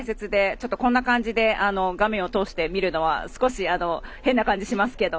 ちょっとこんな感じで画面を通して見るのは少し変な感じしますけど。